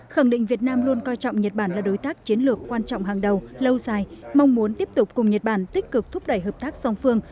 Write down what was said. khẳng định việt nam luôn coi trọng nhật bản là đối tác chiến lược quan trọng hàng đầu lâu dài mong muốn tiếp tục cùng nhật bản tích cực thúc đẩy hợp tác song phương